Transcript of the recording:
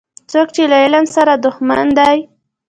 څوک چي له علم سره دښمن دی